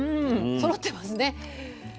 そろってますね。